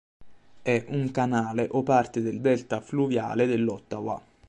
È un canale o parte del delta fluviale dell'Ottawa.